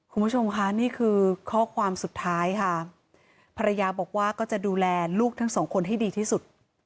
คุณผู้ชมค่ะนี่คือข้อความสุดท้ายค่ะภรรยาบอกว่าก็จะดูแลลูกทั้งสองคนให้ดีที่สุด